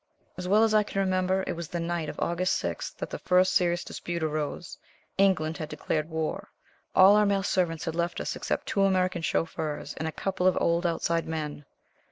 As well as I can remember it was the night of August 6th that the first serious dispute arose. England had declared war. All our male servants had left us except two American chauffeurs, and a couple of old outside men.